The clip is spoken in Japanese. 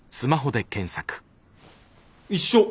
一緒。